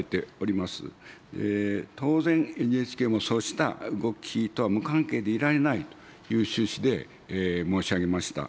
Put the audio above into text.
当然、ＮＨＫもそうした動きとは無関係でいられないという趣旨で申し上げました。